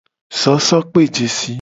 Sosokpejesi.